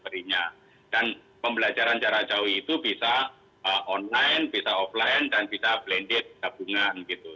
mereka sudah mengatur semua itu